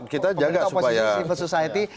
kita jaga supaya berkualitas